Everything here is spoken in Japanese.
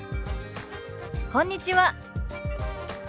「こんにちは」。